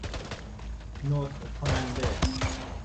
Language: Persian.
نطق کننده